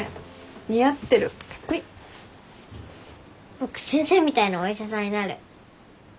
僕先生みたいなお医者さんになる。